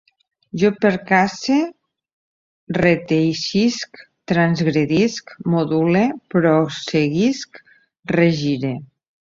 Jo percace, reteixisc, transgredisc, module, prosseguisc, regire